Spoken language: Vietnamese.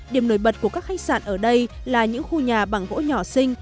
điểm nổi bật của các khách sạn ở đây là những khu nhà bằng gỗ nhỏ sinh